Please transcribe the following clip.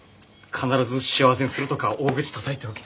必ず幸せにするとか大口たたいておきながら。